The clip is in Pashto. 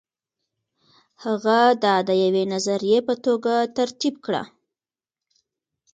هغه دا د یوې نظریې په توګه ترتیب کړه.